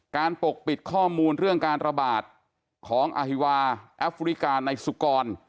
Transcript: ปกปิดข้อมูลเรื่องการระบาดของอฮิวาแอฟริกาในสุกร